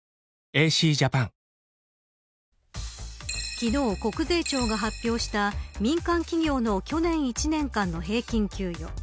昨日、国税庁が発表した民間企業の去年１年間の平均給与。